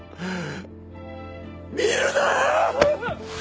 見るな！